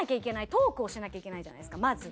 トークをしなきゃいけないじゃないですかまず。